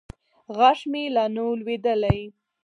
غاښ مې لا نه و لوېدلى.